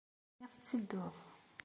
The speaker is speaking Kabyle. Lliɣ ttedduɣ.